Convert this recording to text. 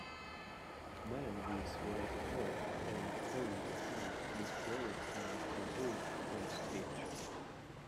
Man with red coat and pointy hair is blowing on a kazoo on stage.